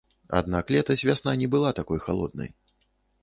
Аднак летась вясна не была такой халоднай.